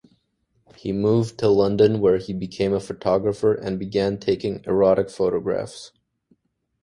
He moved to London where he became a photographer and began taking erotic photographs.